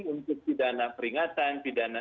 untuk pidana peringatan pidana